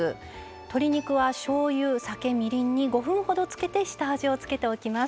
鶏肉は、しょうゆ酒、みりんに５分ほどつけて下味を付けておきます。